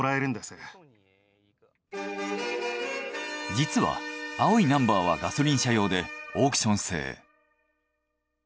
実は青いナンバーはガソリン車用でオークション制。